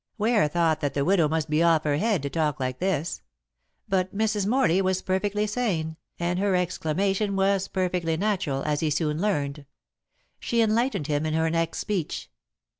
Ware thought that the widow must be off her head to talk like this; but Mrs. Morley was perfectly sane, and her exclamation was perfectly natural, as he soon learned. She enlightened him in her next speech.